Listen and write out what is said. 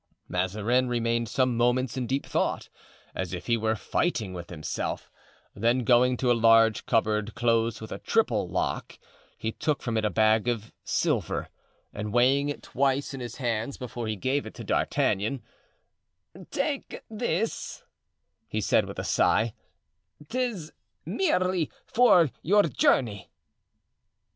Mazarin remained some moments in deep thought, as if he were fighting with himself; then, going to a large cupboard closed with a triple lock, he took from it a bag of silver, and weighing it twice in his hands before he gave it to D'Artagnan: "Take this," he said with a sigh, "'tis merely for your journey."